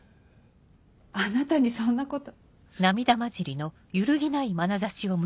あなたにそんなこと。